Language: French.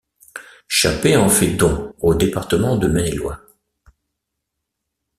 Chappé en fait don au département de Maine-et-Loire.